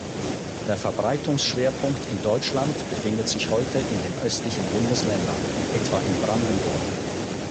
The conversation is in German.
Der Verbreitungsschwerpunkt in Deutschland befindet sich heute in den östlichen Bundesländern, etwa in Brandenburg.